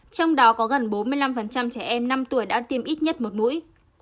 trong đó có gần bốn mươi năm trẻ em năm tuổi đã tiêm ít nhất một mũi